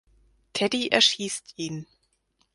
Teddy erschießt ihn.